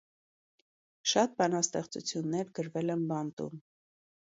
Շատ բանաստեղծություններ գրվել են բանտում։